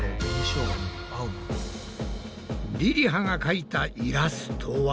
りりはが描いたイラストは？